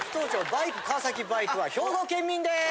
バイク川崎バイクは兵庫県民です。